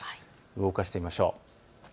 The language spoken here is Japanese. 動かしてみましょう。